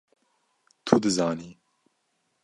Tu dizanî!